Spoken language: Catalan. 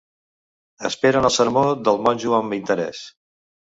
Esperen el sermó del monjo amb interès.